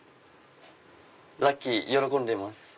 ラッキー喜んでいます。